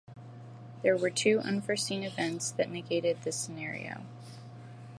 There were two unforeseen events that negated this scenario.